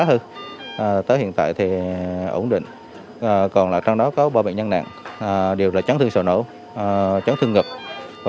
hơn tới hiện tại ổn định trong đó có ba bệnh nhân nặng đều chấn thương sầu nổ chấn thương ngực và